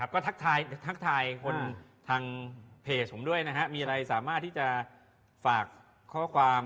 ก็ทักทายคนทางเพจผมด้วยนะฮะมีอะไรสามารถที่จะฝากข้อความ